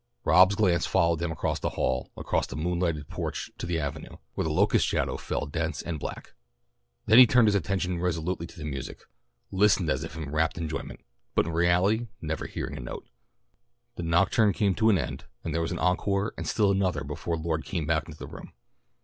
Rob's glance followed them across the hall, across the moonlighted porch to the avenue, where the locust shadows fell dense and black. Then he turned his attention resolutely to the music, listening as if in rapt enjoyment, but in reality never hearing a note. The nocturne came to an end, and there was an encore and still another before Lloyd came back into the room.